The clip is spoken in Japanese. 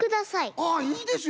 ああいいですよ